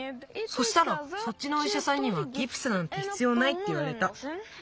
そしたらそっちのおいしゃさんにはギプスなんてひつようないっていわれた。